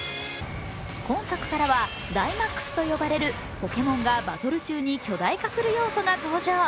今作からはダイマックスと呼ばれるポケモンがバトル中に巨大化する要素が登場。